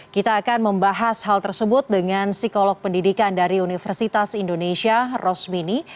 kita akan membahas hal tersebut dengan psikolog pendidikan dari universitas indonesia rosmini